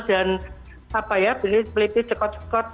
dan apa ya pelipis pelipis cekot cekot